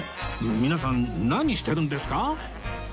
皆さん何してるんですか？